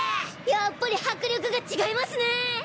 やっぱり迫力が違いますね！